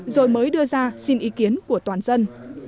rồi mới đưa ra xin ý kiến của toàn dân